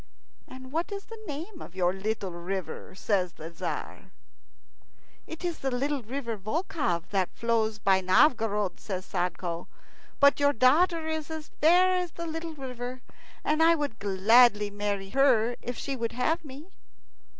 "And what is the name of your little river?" says the Tzar. "It is the little river Volkhov that flows by Novgorod," says Sadko; "but your daughter is as fair as the little river, and I would gladly marry her if she will have me."